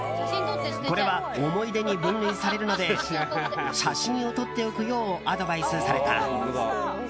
これは思い出に分類されるので写真を撮っておくようアドバイスされた。